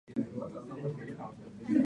リザーブ